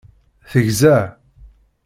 Tegza.